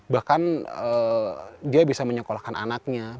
bahkan dia bisa menyekolahkan anaknya